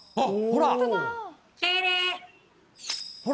ほら。